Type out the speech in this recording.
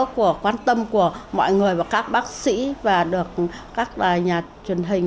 quan tâm của mọi người và các bác sĩ và các nhà truyền hình